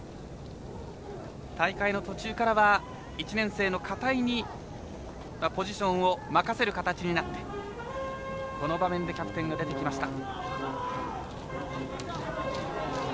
大会の途中からは１年生の片井にポジションを任せる形になってこの場面でキャプテンが出てきました。